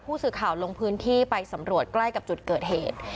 ผู้สื่อข่าวลงพื้นที่ไปสำรวจใกล้กับจุดเกิดเหตุ